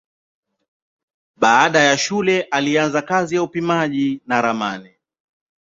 Baada ya shule alianza kazi ya upimaji na ramani.